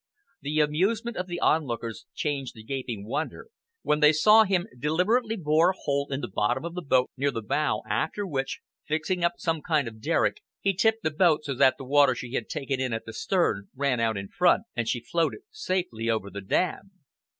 The amusement of the onlookers changed to gaping wonder when they saw him deliberately bore a hole in the bottom of the boat near the bow, after which, fixing up some kind of derrick, he tipped the boat so that the water she had taken in at the stern ran out in front, and she floated safely over the dam.